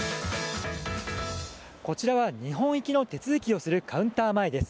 こちらは日本行きの手続きをするカウンター前です。